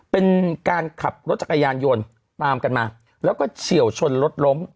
เป็นการขับรถจักรยานยนต์ตามกันมาแล้วก็เฉียวชนรถล้ม